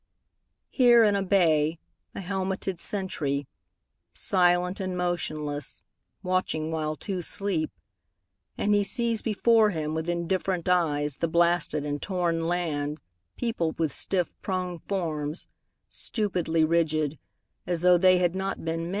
Here in a bay, a helmeted sentry Silent and motionless, watching while two sleep, And he sees before him With indifferent eyes the blasted and torn land Peopled with stiff prone forms, stupidly rigid, As tho' they had not been men.